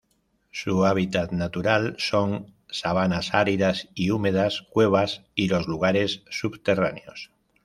Su hábitat natural son: sabanas áridas y húmedas, cuevas, y los lugares subterráneos.